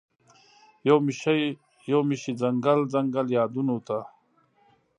یومي شي ځنګل، ځنګل یادونوته